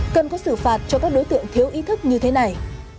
cần có xử phạt cho các đối tượng thiếu ý thức như thế này